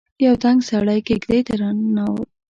يو دنګ سړی کېږدۍ ته ننوت.